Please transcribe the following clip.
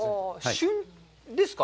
旬ですか。